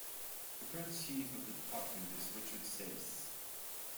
The current Chief of the Department is Richard Sais.